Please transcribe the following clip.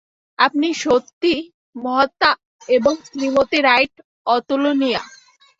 আপনি সত্যই মহাত্মা এবং শ্রীমতী রাইট অতুলনীয়া।